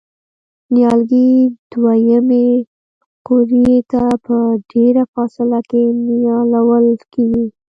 نیالګي دوه یمې قوریې ته په ډېره فاصله کې نیالول کېږي.